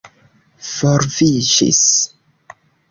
forviŝis